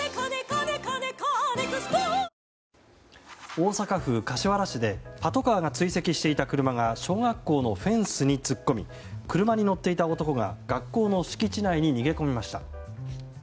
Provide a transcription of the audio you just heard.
大阪府柏原市でパトカーが追跡していた車が小学校のフェンスに突っ込み車に乗っていた男が学校の敷地内に逃げ込みました。